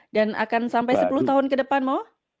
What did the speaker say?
dan akan sampai sepuluh tahun ke depan mo